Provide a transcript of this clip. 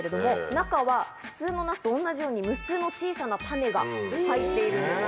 中は普通のナスと同じように無数の小さな種が入っているんですね。